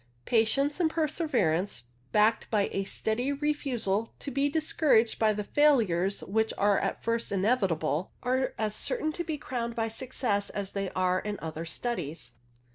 Patience and perseverance, backed by a steady cefusal to be discouraged by the failures which are at first inevitable, are as certain to be crowned by success as they are in other studies.